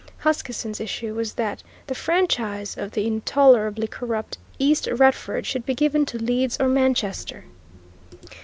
Huskisson's issue was that the franchise of the intolerably corrupt East Retford should be given to Leeds or Manchester.